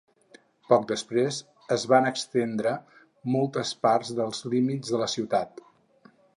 Poc després es van estendre moltes parts dels límits de la ciutat.